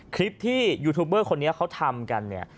คลิปที่ยูทูบเบอร์คนนี้เขาทำกันเนี่ย